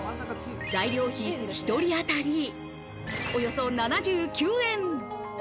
材料費１人当たり、およそ７９円。